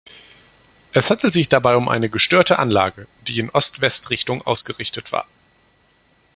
Es handelt sich dabei um eine gestörte Anlage, die in Ost-West-Richtung ausgerichtet war.